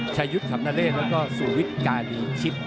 ชายุทธ์ขับนาเลศและก็สูวิทธิ์กาลีชิป